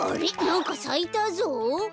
なんかさいたぞ！